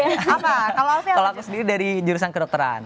kalau aku sendiri dari jurusan kedokteran